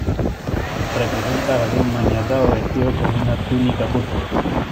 Representa a Jesús maniatado vestido con una túnica púrpura.